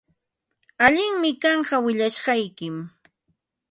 Allinmi kanqa willashqaykim.